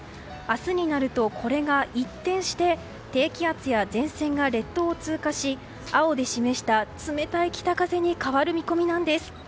明日になるとこれが一転して低気圧や前線が列島を通過して青で示した冷たい北風に変わる見込みなんです。